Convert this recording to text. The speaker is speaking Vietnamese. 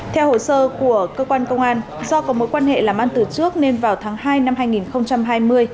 theo hồ sơ của cơ quan công an do có mối quan hệ làm ăn từ trước nên vào tháng hai năm hai nghìn hai mươi